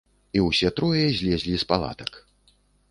І ўсе трое злезлі з палатак.